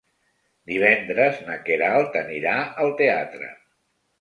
Divendres na Queralt anirà al teatre.